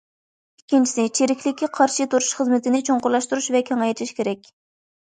ئىككىنچىسى، چىرىكلىككە قارشى تۇرۇش خىزمىتىنى چوڭقۇرلاشتۇرۇش ۋە كېڭەيتىش كېرەك.